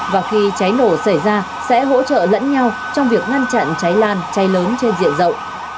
và khi cháy nổ xảy ra sẽ hỗ trợ lẫn nhau trong việc ngăn chặn cháy lan cháy lớn trên diện rộng